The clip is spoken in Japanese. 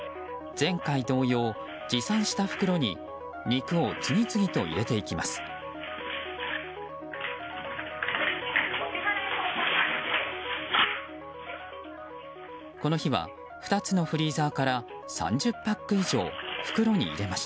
前回同様、持参した袋に肉を次々と入れていきます。